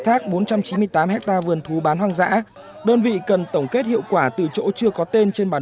thác bốn trăm chín mươi tám hectare vườn thú bán hoang dã đơn vị cần tổng kết hiệu quả từ chỗ chưa có tên trên bản